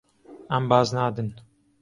Em baz nadin.